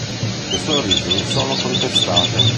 Le sue origini sono contestate.